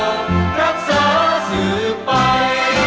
ที่เรารักษาสืบไป